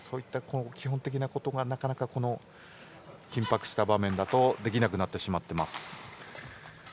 基本的なことがなかなか緊迫した場面だとできなくなってしまっています。